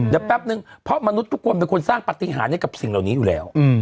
เดี๋ยวแป๊บนึงเพราะมนุษย์ทุกคนเป็นคนสร้างปฏิหารให้กับสิ่งเหล่านี้อยู่แล้ว